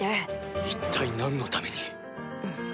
一体何のために。